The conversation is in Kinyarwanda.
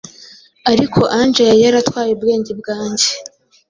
ariko Ange yari yaratwaye ubwenge bwanjye.